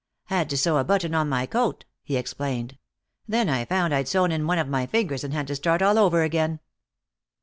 "Had to sew a button on my coat," he explained. "Then I found I'd sewed in one of my fingers and had to start all over again."